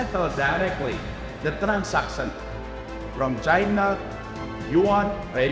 kita bisa mengatur transaksi dari china yuan rp dua puluh rp dua puluh dua